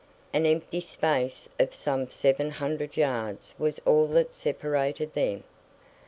An empty space of some seven hundred yards was all that separated them.